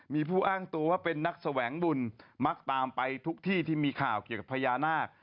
มีผู้อ้างตัวว่าเป็นนักแสวงบุญมักตามไปทุกที่ที่มีข่าวเกี่ยวกับพญานาค